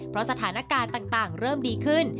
เพราะสถานการณ์ต่างเริ่มดีขึ้น